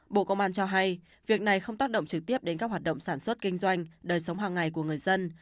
bộ công an cho hay việc này không tác động trực tiếp đến các hoạt động sản xuất kinh doanh đời sống hàng ngày của người dân